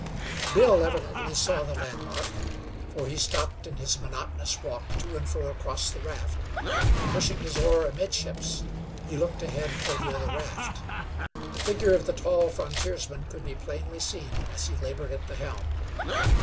Bill evidently saw the landmark, for he stopped in his monotonous walk to and fro across the raft, and pushing his oar amidships he looked ahead for the other raft. The figure of the tall frontiersman could be plainly seen as he labored at the helm.